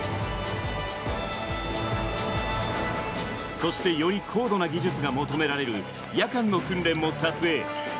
そしてより高度な技術が求められる夜間の訓練も撮影。